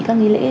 các nghi lễ